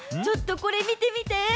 ちょっとこれみてみて！